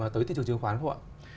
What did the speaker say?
tới thị trường chứng khoán không ạ